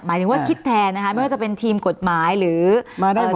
หมายถึงว่าคิดแทนนะคะไม่ว่าจะเป็นทีมกฎหมายหรือ